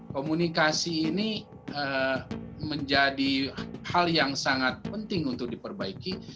komunikasi ini menjadi hal yang sangat penting untuk diperbaiki